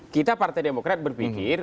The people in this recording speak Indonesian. kita partai demokrat berpikir